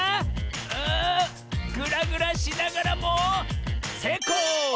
あグラグラしながらもせいこう！